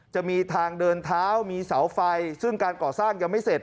จะมีทางเดินเท้ามีเสาไฟซึ่งการก่อสร้างยังไม่เสร็จ